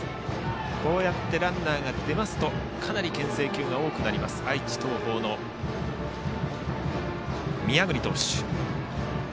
こうやってランナーが出ますとかなり、けん制球が多くなります愛知・東邦の宮國投手。